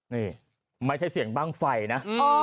นี่ไม่ใช่เสียงบ้างไฟนะ